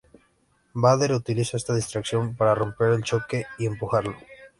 Vader utiliza esta distracción para romper el choque y empujarlo.